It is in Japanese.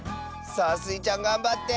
さあスイちゃんがんばって！